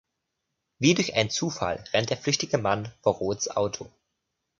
Wie durch ein Zufall rennt der flüchtige Mann vor Roths Auto.